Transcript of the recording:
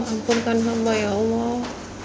ampunkan hamba ya allah